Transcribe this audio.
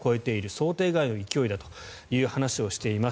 想定外の勢いだという話をしています。